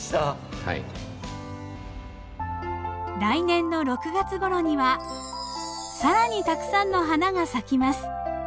来年の６月ごろには更にたくさんの花が咲きます。